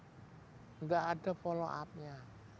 tidak ada follow up nya